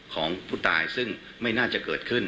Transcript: ของผู้ตายซึ่งไม่น่าจะเกิดขึ้น